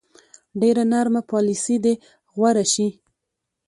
ډېره نرمه پالیسي دې غوره شي.